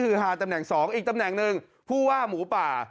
คือฮาตำแหน่งสองอีกตำแหน่งหนึ่งผู้ว่าหมูป่า